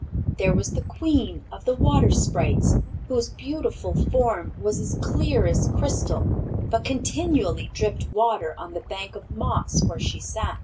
There was the Queen of the Water Sprites, whose beautiful form was as clear as crystal but continually dripped water on the bank of moss where she sat.